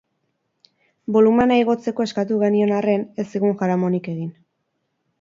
Bolumena igotzeko eskatu genion arren, ez zigun jaramonik egin.